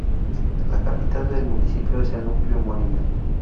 La capital del municipio es el núcleo homónimo.